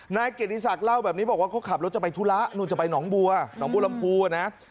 นายกิริสักเล่าแบบนี้บอกว่าเขาขับรถจะไปทุระนู่นจะไปหนองบัวหนองบุรมภูนะ